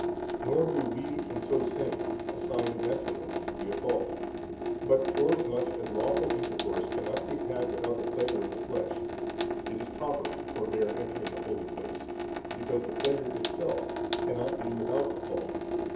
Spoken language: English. Nor do we, in so saying, assign matrimony to be a fault; but forasmuch as lawful intercourse cannot be had without the pleasure of the flesh, it is proper to forbear entering the holy place, because the pleasure itself cannot be without a fault.